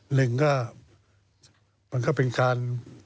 หนึ่งก็มันก็เป็นการ